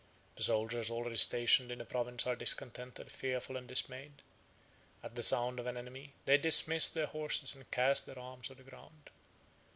The soldiers already stationed in the province are discontented, fearful, and dismayed; at the sound of an enemy, they dismiss their horses, and cast their arms on the ground.